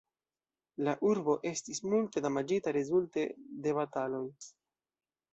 La urbo estis multe damaĝita rezulte de bataloj.